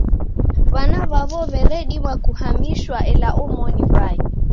W'ana w'aw'o w'eredima kuhamishwa, ela omoni mbai.